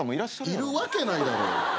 いるわけないだろ。